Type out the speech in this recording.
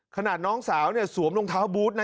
น้องสาวเนี่ยสวมรองเท้าบูธนะ